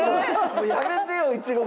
もうやめてよいちごばっかり。